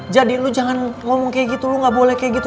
jadi lu jangan ngomong kayak gitu lu gak boleh kayak gitu